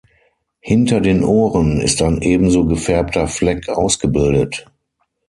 Hinter den Ohren ist ein ebenso gefärbter Fleck ausgebildet.